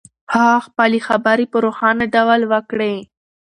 هغه خپلې خبرې په روښانه ډول وکړې.